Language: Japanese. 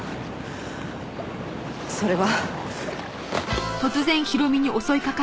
それは。